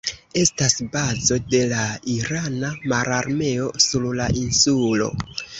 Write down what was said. Estas bazo de la irana mararmeo sur la insulo.